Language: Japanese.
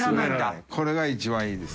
これが一番いいです。